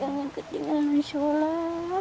jangan ketinggalan sholat